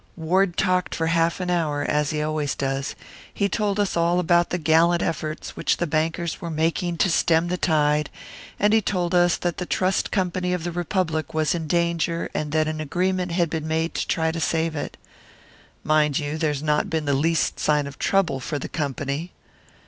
Ward talked for half an hour, as he always does; he told us all about the gallant efforts which the bankers were making to stem the tide, and he told us that the Trust Company of the Republic was in danger and that an agreement had been made to try to save it. Mind you, there's not been the least sign of trouble for the company.'